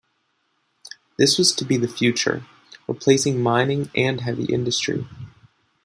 This was to be the future, replacing mining and heavy industry.